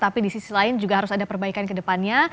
tapi di sisi lain juga harus ada perbaikan ke depannya